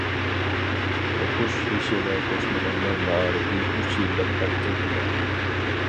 ئوقۇش يېشىغا توشمىغانلار مائارىپى ئۈچ يىللىق ھەرىكەت پىلانى.